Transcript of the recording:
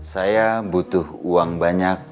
saya butuh uang banyak